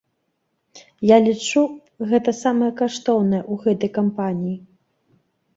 Я лічу, гэта самае каштоўнае ў гэтай кампаніі.